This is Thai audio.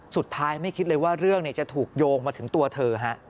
ไม่คิดเลยว่าเรื่องจะถูกโยงมาถึงตัวเธอ